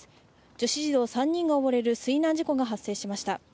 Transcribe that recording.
女子児童３人が溺れる水難事故が発生しました。